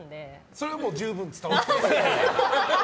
それは十分伝わってきます。